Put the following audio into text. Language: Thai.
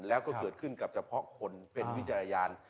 แต่เพราะคนเป็นวิจารยาน